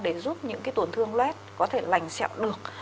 để giúp những cái tổn thương lết có thể lành sẹo được